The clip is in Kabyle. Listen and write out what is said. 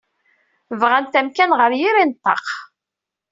Bɣant amkan ɣer yiri n ṭṭaq.